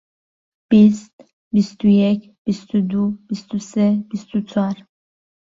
بیست، بیست و یەک، بیست و دوو، بیست و سێ، بیست و چوار.